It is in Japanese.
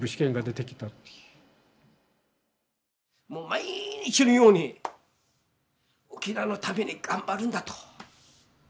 毎日のように沖縄のために頑張るんだと。